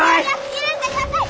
許してください！